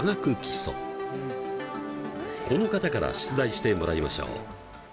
この方から出題してもらいましょう。